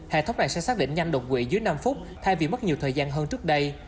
hệ thống này sẽ xác định nhanh đột quỵ dưới năm phút thay vì mất nhiều thời gian hơn trước đây